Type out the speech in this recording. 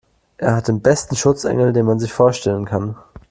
Er hat den besten Schutzengel, den man sich vorstellen kann.